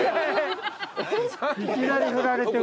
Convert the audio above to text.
いきなり振られても。